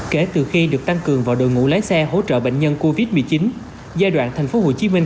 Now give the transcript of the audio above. kể từ khi được tăng cường vào đội ngũ lái xe hỗ trợ bệnh nhân covid một mươi chín giai đoạn thành phố hồ chí minh